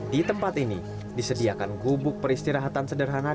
di tempat ini disediakan gubuk peristirahatan sederhana